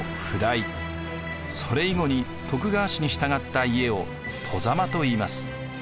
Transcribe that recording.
それ以後に徳川氏に従った家を「外様」といいます。